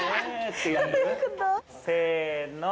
せの。